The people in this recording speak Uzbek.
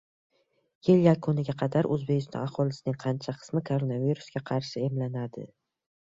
Yil yakuniga qadar O‘zbekiston aholisining qancha qismi koronavirusga qarshi emlanadi?